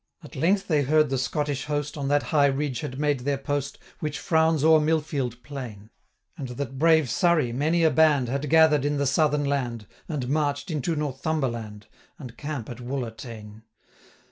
At length they heard the Scottish host 1015 On that high ridge had made their post, Which frowns o'er Millfield Plain; And that brave Surrey many a band Had gather'd in the Southern land, And march'd into Northumberland, 1020 And camp at Wooler ta'en.